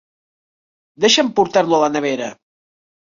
Deixa'm portar-lo a la nevera!